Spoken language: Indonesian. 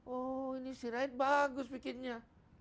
oh ini si rait bagus membuatnya